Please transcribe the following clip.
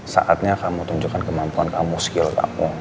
saatnya kamu tunjukkan kemampuan kamu skill aku